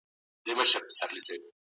د علم د پراختیا لپاره څېړنه ضروري ده.